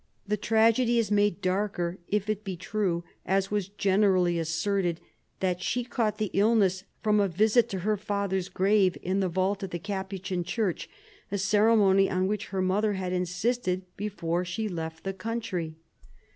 The tragedy is made darker, if it be true, as was generally asserted, that she caught the illness from a visit to her father's grave in the vault of the Capuchin Church, a ceremony on which her mother had insisted before she left the country.